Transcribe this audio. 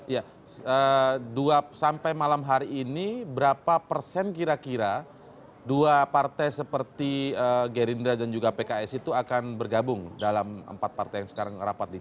ya sampai malam hari ini berapa persen kira kira dua partai seperti gerindra dan juga pks itu akan bergabung dalam empat partai yang sekarang rapat di